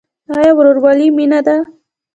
آیا ورورولي مینه ده؟